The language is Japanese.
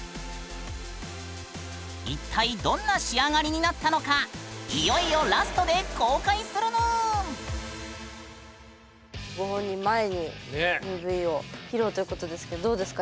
一体どんな仕上がりになったのかご本人前にＭＶを披露ということですけどどうですか？